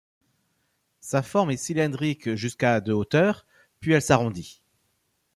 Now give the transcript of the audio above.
Sa forme est cylindrique jusqu'à de hauteur puis elle s'arrondit.